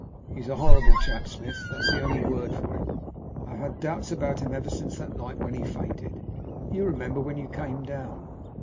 "He's a horrible chap, Smith. That is the only word for him. I have had doubts about him ever since that night when he fainted you remember, when you came down.